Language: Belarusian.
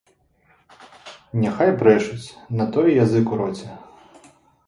Няхай брэшуць, на тое язык у роце.